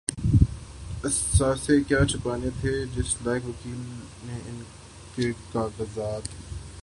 اثاثے کیا چھپانے تھے‘ جس لائق وکیل نے ان کے کاغذات